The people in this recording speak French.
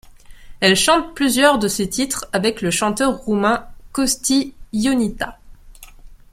Elle chante plusieurs de ses titres avec le chanteur roumain Costi Ionita.